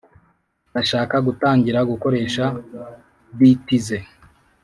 Ndashaka gutangira gukoresha beat ze